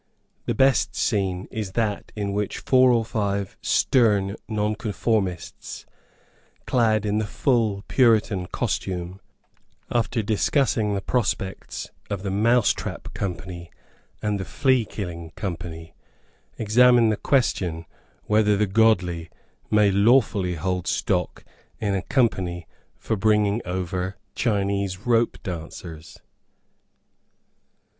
The best scene is that in which four or five stern Nonconformists, clad in the full Puritan costume, after discussing the prospects of the Mousetrap Company and the Fleakilling Company, examine the question whether the godly may lawfully hold stock in a Company for bringing over Chinese ropedancers.